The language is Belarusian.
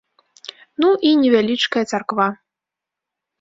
Ну і невялічкая царква.